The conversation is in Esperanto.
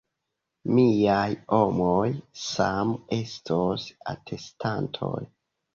Miaj homoj same estos atestantoj.